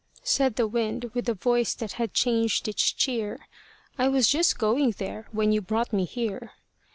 Said the wind with a voice that had changed its cheer, "I was just going there, when you brought me here."